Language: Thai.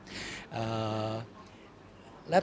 ก็ต้องทำอย่างที่บอกว่าช่องคุณวิชากำลังทำอยู่นั่นนะครับ